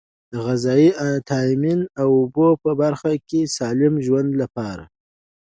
د غذایي تامین او اوبو په برخه کې د سالم ژوند لپاره.